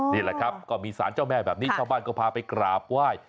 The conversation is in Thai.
นี่แหละครับก็มีสารเจ้าแม่แบบนี้ชาวบ้านก็พาไปกราบไหว้